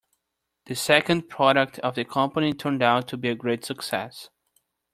The second product of the company turned out to be a great success.